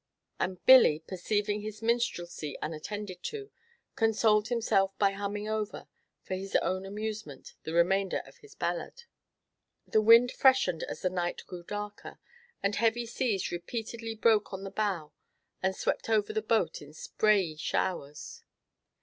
And Billy, perceiving his minstrelsy unattended to, consoled himself by humming over, for his own amusement, the remainder of his ballad. The wind freshened as the night grew darker, and heavy seas repeatedly broke on the bow, and swept over the boat in sprayey showers.